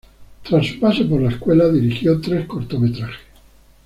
Tras su paso por la escuela, dirigió tres cortometrajes.